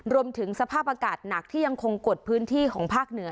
รวมถึงสภาพอากาศหนักที่ยังคงกดพื้นที่ของภาคเหนือ